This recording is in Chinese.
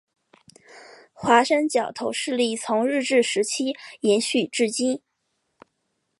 华山角头势力从日治时期延续至今。